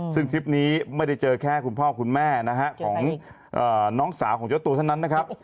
ซึ่งคลิปนี้ไม่ได้เจอแค่คุณพ่อคุณแม่นะฮะของน้องสาวของเจ้าตัวเท่านั้นนะครับ